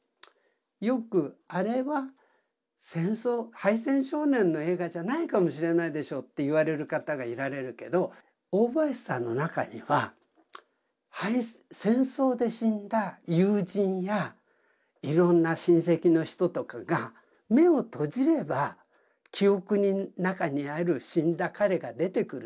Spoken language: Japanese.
よくあれは敗戦少年の映画じゃないかもしれないでしょうって言われる方がいられるけど大林さんの中には戦争で死んだ友人やいろんな親戚の人とかが目を閉じれば記憶の中にある死んだ彼が出てくるでしょ。